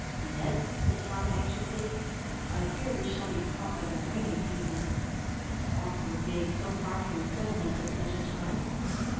"Ned," said Tom, anxiously, "I fear we shall be caught by the rainy season. It's awkward being so far from the settlements at such a time."